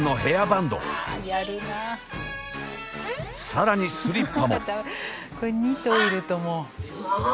更にスリッパも！